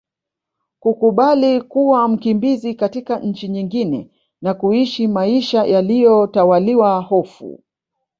Kukubali kuwa mkimbizi katika nchi nyingine na kuishi maisha yaliyo tawaliwa hofu